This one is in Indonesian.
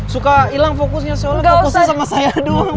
suka ilang fokusnya seolah olah fokusnya sama saya doang